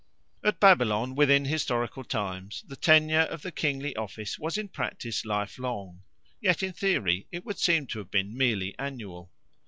At Babylon, within historical times, the tenure of the kingly office was in practice lifelong, yet in theory it would seem to have been merely annual.